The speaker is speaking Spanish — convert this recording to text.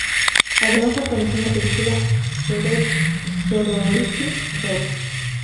Además apareció en la película Sorority Row.